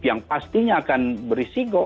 yang pastinya akan berisiko